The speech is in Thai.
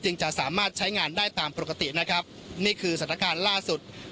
จะสามารถใช้งานได้ตามปกตินะครับนี่คือสถานการณ์ล่าสุด